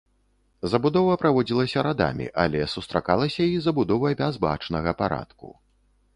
Забудова праводзілася радамі, але сустракалася і забудова без бачнага парадку.